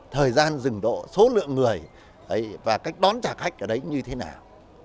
thời gian dừng độ số lượng người và cách đón trả khách ở đấy như thế nào